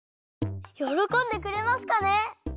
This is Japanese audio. よろこんでくれますかね？